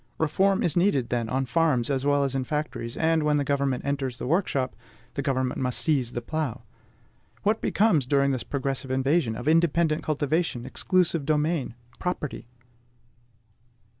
Reform is needed, then, on farms as well as in factories; and, when the government enters the workshop, the government must seize the plough! What becomes, during this progressive invasion, of independent cultivation, exclusive domain, property?